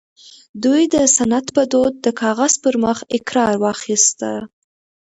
دوی د سند په دود د کاغذ پر مخ اقرار واخيسته